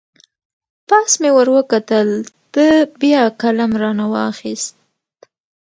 پاس مې ور وکتل، ده بیا قلم را نه واخست.